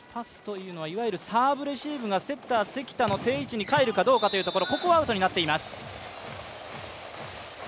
いわゆるサーブレシーブがセッター・関田の定位置に返るかどうかというところ。